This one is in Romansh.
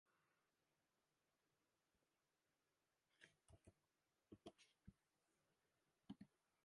Ella sa buca tgei patertgar.